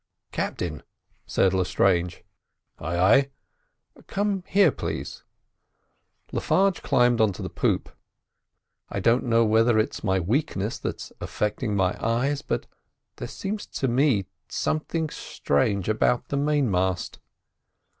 "Captain!" said Lestrange. "Ay, ay." "Come here, please." Le Farge climbed on to the poop. "I don't know whether it's my weakness that's affecting my eyes, but there seems to me something strange about the main mast."